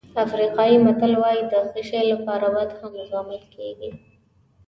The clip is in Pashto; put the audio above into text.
افریقایي متل وایي د ښه شی لپاره بد هم زغمل کېږي.